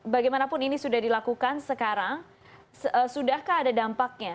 bagaimanapun ini sudah dilakukan sekarang sudahkah ada dampaknya